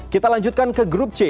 kita lanjutkan ke grup c